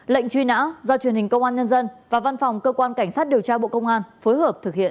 lệnh truy nã do truyền hình công an nhân dân và văn phòng cơ quan cảnh sát điều tra bộ công an phối hợp thực hiện